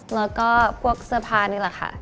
แล้วก็พวกเสื้อผ้านี่แหละค่ะ